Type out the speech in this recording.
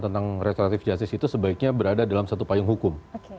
tentang restoratif justice itu sebaiknya berada dalam satu payung hukum